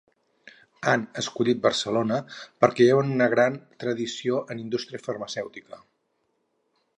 Hem escollit Barcelona perquè hi ha una gran tradició en indústria farmacèutica.